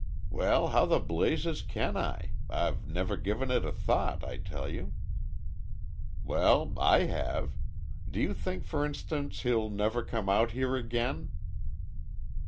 "Well, how the blazes can I? I've never given it a thought I tell you." "Well, I have. Do you think for instance, he'll ever come out here again?"